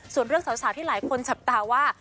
ส่วนเรื่องสาวที่หลายคนจับตาว่า